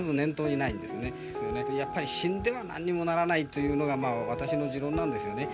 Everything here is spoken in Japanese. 何かやっぱり死んではなんにもならないというのが、私の持論なんですよね。